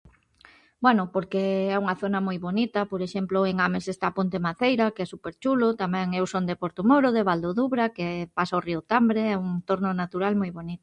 Bueno, porque é unha zona moi bonita, por exemplo, en Ames está Pontemaceira que é súper chulo, tamén eu son de Portomoro, de Val do Dubra, que pasa o río Tambre, é un entorno natural moi bonito.